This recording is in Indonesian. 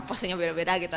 postnya beda beda gitu